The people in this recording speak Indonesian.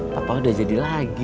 papa udah jadi lagi